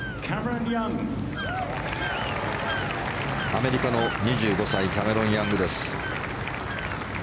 アメリカの２５歳キャメロン・ヤングです。